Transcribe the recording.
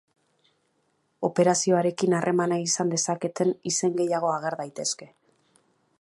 Operazioarekin harremana izan dezaketen izen gehiago ager daitezke.